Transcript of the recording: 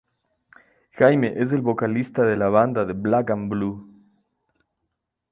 Jaime es el vocalista de la banda de Black N' Blue.